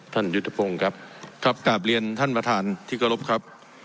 ท่านยุตภพงศ์ครับครับกราบเรียนท่านประธานที่กระลบครับ